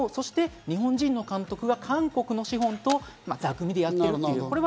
そして日本人の監督が韓国の資本と座組みでやっている。